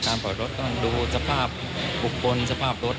การปล่อยรถต้องดูสภาพปกลสภาพรถ